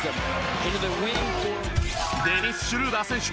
デニス・シュルーダー選手